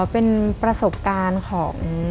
เป็นประสบการณ์ของ